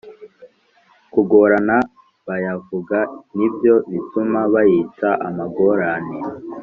kugorana bayavuga ni byo bituma bayita amagorane.